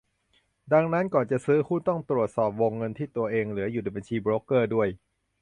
ดังนั้น ก่อนจะซื้อหุ้นต้องตรวจสอบวงเงินที่ตัวเองเหลืออยู่ในบัญชีโบรกเกอร์ด้วย